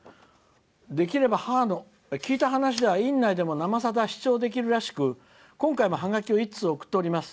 聞いた話では院内でも「生さだ」の視聴できるらしく、今回もハガキを１通送っています。